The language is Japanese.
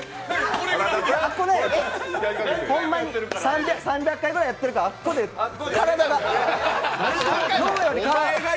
ほんまに３００回くらいやってるからあっこで体が、脳より体が。